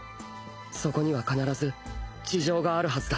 そこには必ず事情があるはずだ